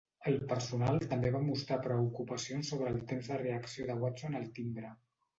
El personal també va mostrar preocupacions sobre el temps de reacció de Watson al timbre.